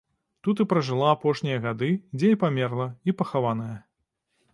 Тут і пражыла апошнія гады, дзе і памерла, і пахаваная.